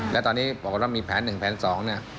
แล้วตอนนี้บอกว่าเรามีแผนหนึ่งแผนสองเนี่ย